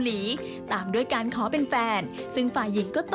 กุ๊บกิ๊บขอสงวนท่าที่ให้เวลาเป็นเครื่องท่าที่สุดไปก่อน